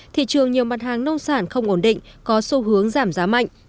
thị trường nhiều mặt hàng nông sản không ổn định có xu hướng giảm giá mạnh